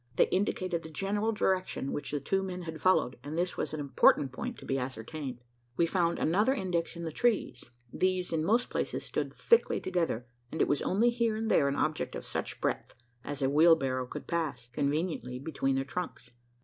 They indicated the general direction which the two men had followed; and this was an important point to be ascertained. We found another index in the trees. These in most places stood thickly together; and it was only here and there that an object of such breadth as a wheelbarrow could pass conveniently between their trunks.